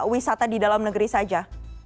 wisata di dalam negeri saja